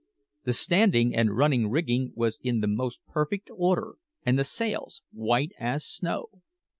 The standing and running rigging was in the most perfect order, and the sails white as snow.